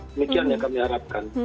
demikian yang kami harapkan